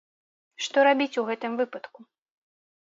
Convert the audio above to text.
Што рабіць у гэтым выпадку?